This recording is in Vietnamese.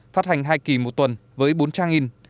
phát hành hai kỳ một tuần với bốn trang in